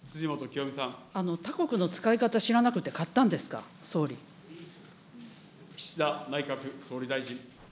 他国の使い方知らなくて買っ岸田内閣総理大臣。